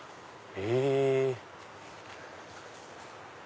へぇ。